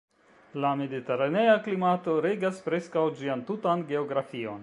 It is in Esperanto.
La mediteranea klimato regas preskaŭ ĝian tutan geografion.